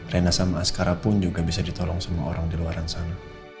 rena sama askara pun juga bisa ditolong semua orang di luar sana